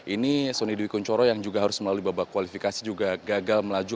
ini sonny dwi kunchoro yang juga harus melalui babak kualifikasi juga gagal melaju